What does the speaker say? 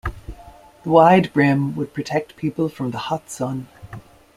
The wide brim would protect people from the hot sun.